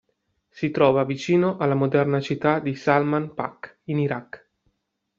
Si trova vicino alla moderna città di Salman Pak, in Iraq.